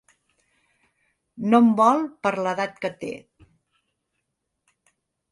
No em vol per l'edat que té.